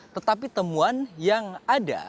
tetapi temuan yang ada